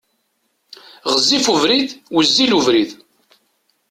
Ɣezzif ubrid, wezzil ubrid.